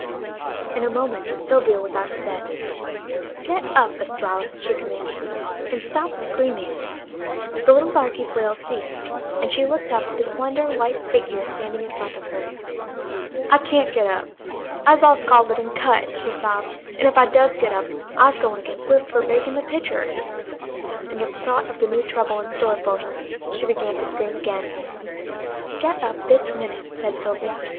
In a moment Sylvia was out of bed. "Get up, Estralla," she commanded, "and stop screaming." The little darky's wails ceased, and she looked up at the slender white figure standing in front of her. "I kyan't git up; I'se all scalded and cut," she sobbed, "an' if I does get up I'se gwine to get whipped for breaking the pitcher," and at the thought of new trouble in store for her, she began to scream again. "Get up this minute," said Sylvia.